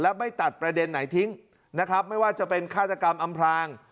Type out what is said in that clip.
และไม่ตัดประเด็นไหนทิ้งนะครับไม่ว่าจะเป็นฆาตกรรมอำพลาง